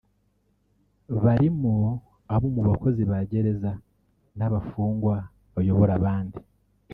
barimo abo mu bakozi ba Gereza n’ abafungwa bayobora abandi